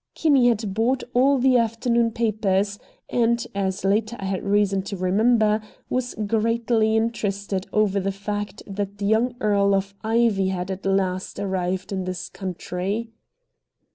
Kinney had bought all the afternoon papers, and, as later I had reason to remember, was greatly interested over the fact that the young Earl of Ivy had at last arrived in this country.